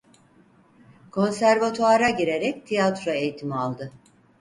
Konservatuvara girerek tiyatro eğitimi aldı.